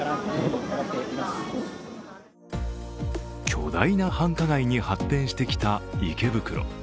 巨大な繁華街に発展してきた池袋。